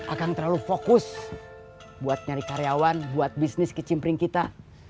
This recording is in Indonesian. akan terlalu fokus buat nyari karyawan buat bisnis kimpling kita